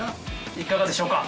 いかがでしょうか？